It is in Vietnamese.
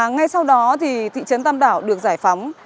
ngay sau đó thì thị trấn tàm đào được giải phóng